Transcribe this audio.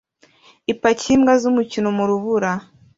Ipaki yimbwa zumukino mu rubura